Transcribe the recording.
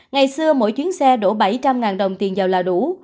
ngày xưa mỗi chuyến xe đổ bảy trăm linh đồng tiền vào là đủ